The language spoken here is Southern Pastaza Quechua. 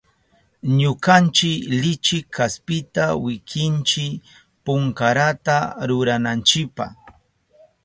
Ñukanchi lichi kaspita wikinchi punkarata rurananchipa.